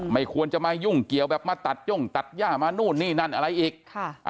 ไม่ควรจะมายุ่งเกี่ยวแบบมาตัดย่งตัดย่ามานู่นนี่นั่นอะไรอีก